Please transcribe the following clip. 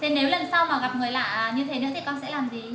thế nếu lần sau mà gặp người lạ như thế nữa thì con sẽ làm gì